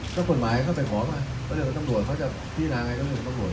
ก็กฎหมายเขาไปขอมาเพราะเดี๋ยวก็ตำรวจเขาจะพี่นางไงก็จะเป็นตำรวจ